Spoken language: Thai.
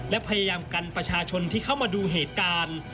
และพยายามกันประชาชนที่เข้ามาดูเหตุการณ์